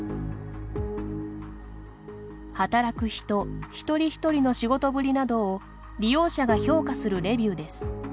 働く人、１人１人の仕事ぶりなどを利用者が評価するレビューです。